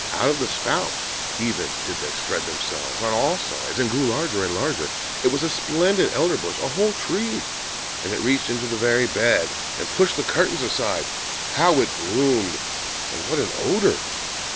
Out of the spout even did they spread themselves on all sides, and grew larger and larger; it was a splendid Elderbush, a whole tree; and it reached into the very bed, and pushed the curtains aside. How it bloomed! And what an odour!